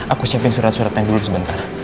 aku siapin surat suratnya dulu sebentar